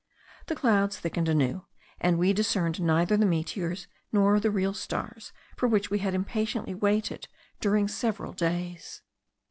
The clouds thickened anew, and we discerned neither the meteors, nor the real stars, for which we had impatiently waited during several days.